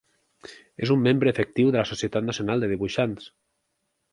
És un membre efectiu de la Societat Nacional de Dibuixants.